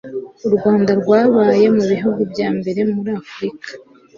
u rwanda rwabaye mu bihugu bya mbere muri afurika